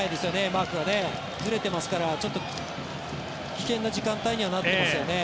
マークがずれてますから危険な時間帯にはなってますよね。